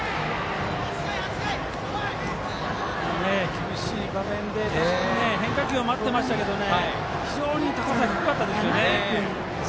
厳しい場面で変化球を待ってましたが非常に高さ、低かったですね。